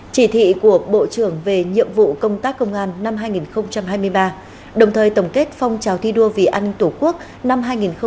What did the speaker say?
chỉ thị của bộ trưởng về nhiệm vụ công tác công an năm hai nghìn hai mươi ba đồng thời tổng kết phong trào thi đua vì an ninh tổ quốc năm hai nghìn hai mươi ba